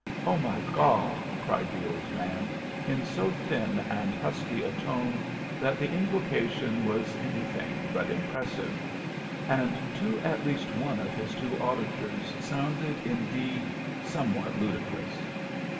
"Oh, my God!" cried the old man, in so thin and husky a tone that the invocation was anything but impressive, and to at least one of his two auditors sounded, indeed, somewhat ludicrous.